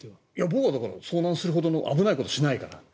僕は遭難するほどの危ないことをしないから。